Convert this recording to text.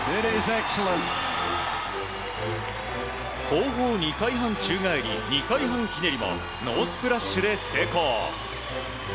後方２回半宙返り２回半ひねりもノースプラッシュで成功。